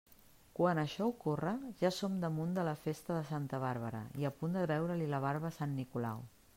Quan això ocorre, ja som damunt de la festa de Santa Bàrbara i a punt de veure-li la barba a sant Nicolau.